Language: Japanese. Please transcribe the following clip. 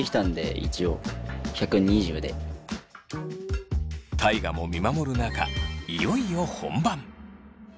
大我も見守る中いよいよ本番。